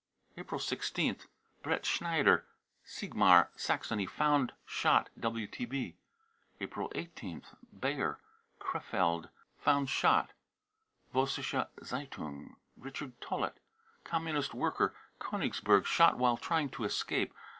April 1 6th. bretschneider, Siegmar, Saxony, found shot. (WTB.) April 1 8th. beyer, Krefeld, found shot. ( Vossiscke Zeitung.) richard tolleit, Communist worker, Konigsberg, shot " while trying to escape."